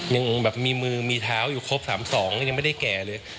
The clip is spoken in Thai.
ยังแบบมีมือมีเท้าอยู่ครบ๓๒ยังไม่ได้แก่เลย